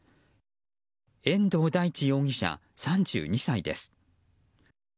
遠藤大地容疑者、３２歳です。